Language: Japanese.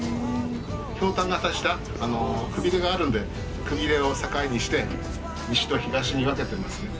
ひょうたん型したくびれがあるんでくびれを境にして西と東に分けてますね。